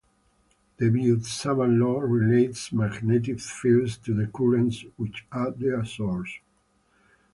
The Biot-Savart law relates magnetic fields to the currents which are their sources.